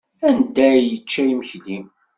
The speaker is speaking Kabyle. Anda ay yečča imekli?